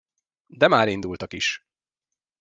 De már indultak is.